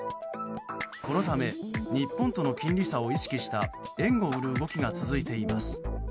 このため日本との金利差を意識した円を売る動きが続いています。